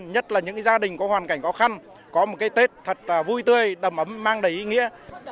nhất là những gia đình có hoàn cảnh khó khăn có một cái tết thật vui tươi đầm ấm mang đầy ý nghĩa